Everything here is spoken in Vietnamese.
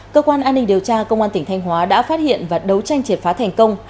cơ quan an ninh điều tra công an tỉnh thanh hóa đã phát hiện và đấu tranh triệt phá thành công